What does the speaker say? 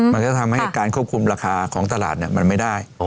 มันจะทำให้การควบคุมราคาของตลาดมันไม่ได้